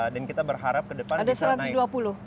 dan kita berharap ke depan bisa naik